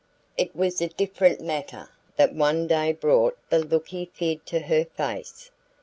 It was a different matter that one day brought the look he feared to her face.